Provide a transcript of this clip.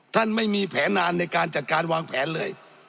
ไม่มีแผนนานในการจัดการวางแผนเลย